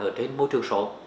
ở trên môi trường số